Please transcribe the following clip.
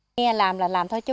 nghe làm là làm thôi chứ